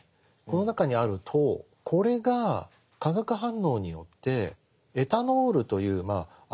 この中にある糖これが化学反応によってエタノールというアルコールですね